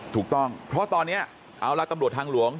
ถูกต้องเพราะตอนนี้เอาละตำรวจทางหลวง